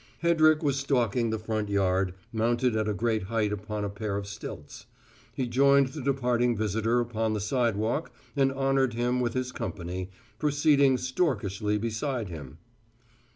Hedrick was stalking the front yard, mounted at a great height upon a pair of stilts. He joined the departing visitor upon the sidewalk and honoured him with his company, proceeding storkishly beside him.